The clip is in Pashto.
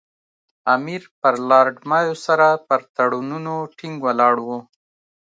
امیر پر لارډ مایو سره پر تړونونو ټینګ ولاړ وو.